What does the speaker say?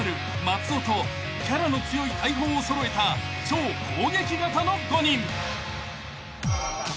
松尾とキャラの強い大砲を揃えた超攻撃型の５人］